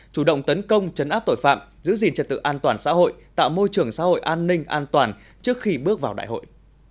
chủ động tấn công chấn áp tội phạm giữ gìn trật tự an toàn xã hội tạo môi trường xã hội an ninh an toàn trước khi bước vào đại hội